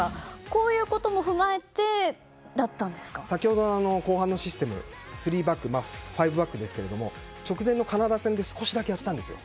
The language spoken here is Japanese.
こういうことも先ほどの後半のシステム３バック、５バックですけど直前のカナダ戦で少しやったんですよ。